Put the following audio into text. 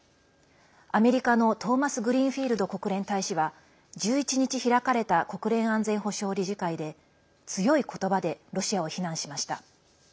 アメリカのトーマスグリーンフィールド国連大使は１１日開かれた国連安全保障理事会で強いことばでロシアを非難しました。